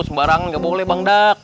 sembarang gak boleh bangdak